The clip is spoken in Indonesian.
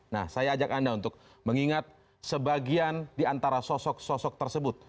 nah saya ajak anda untuk mengingat sebagian di antara sosok sosok tersebut